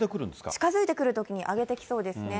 近づいてくるときに上げてきそうですね。